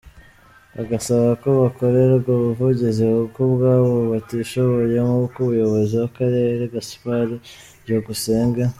Bagasaba ko bakorerwa ubuvugizi kuko ubwabo batishoboye, nk’uko Umuyobozi w’akarere Gasipari Byukusenge.